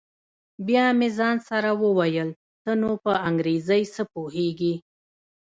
بيا مې ځان سره وويل ته نو په انګريزۍ څه پوهېږې.